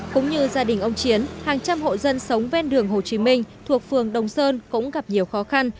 cũng như gia đình ông chiến hàng trăm hộ dân sống ven đường hồ chí minh thuộc phường đồng sơn cũng gặp nhiều khó khăn